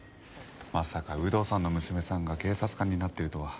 まさか有働さんの娘さんが警察官になってるとは。